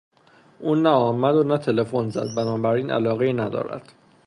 او نه آمد و نه تلفن زد; بنابراین علاقهای ندارد.